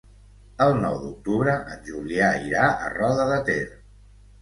El nou d'octubre en Julià irà a Roda de Ter.